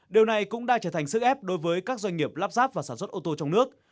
điều này cũng đã trở thành sức ép đối với các doanh nghiệp lắp ráp và sản xuất ô tô trong nước